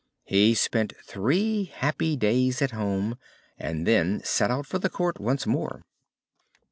He spent three happy days at home, and then set out for the Court once more.